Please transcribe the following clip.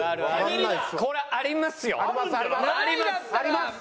これはありますよ。